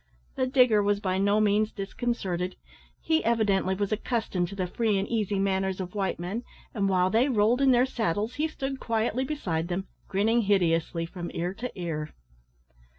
The digger was by no means disconcerted. He evidently was accustomed to the free and easy manners of white men, and while they rolled in their saddles, he stood quietly beside them, grinning hideously from ear to ear.